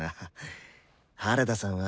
原田さんは。